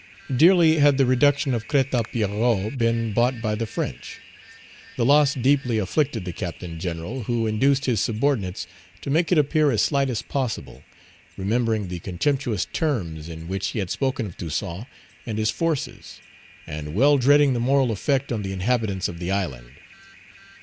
DEARLY had the reduction of Crête à Pierrot been bought by the French. The loss deeply afflicted the Captain General, who induced his subordinates to make it appear as slight as possible, remembering the contemptuous terms in which he had spoken of Toussaint and his forces, and well dreading the moral effect on the inhabitants of the island.